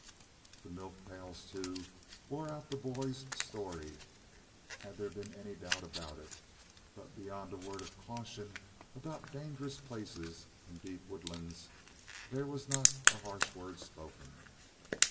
The milk pails, too, bore out the boys' story, had there been any doubt about it, but beyond a word of caution about dangerous places in deep woodlands there was not a harsh word spoken.